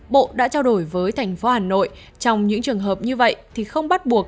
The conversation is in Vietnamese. bộ đã trao đổi với tp hà nội trong những trường hợp như vậy thì không bắt buộc